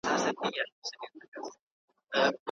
خداى دي له بدوسترګو وساته تل